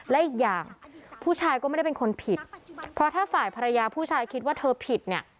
และอีกอย่างผู้ชายก็ไม่ได้เป็นคนผิดเพราะถ้าฝ่ายภรรยาผู้ชายคิดว่าเธอผิดเนี่ย